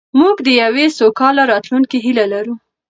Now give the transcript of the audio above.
موږ د یوې سوکاله راتلونکې هیله لرو.